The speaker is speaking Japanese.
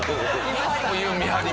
こういう見張り。